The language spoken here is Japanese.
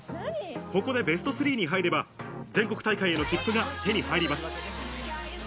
ここでベスト３に入れば、全国大会への切符が手に入ります。